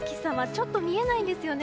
ちょっと見えないんですよね。